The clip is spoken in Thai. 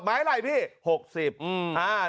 ไม้ไหนพี่๖๐บาท